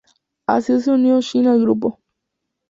Así se unió Shin al grupo.